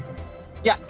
kalau pilihan mereka